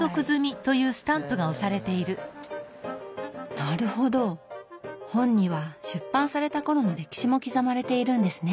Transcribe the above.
なるほど本には出版された頃の歴史も刻まれているんですね。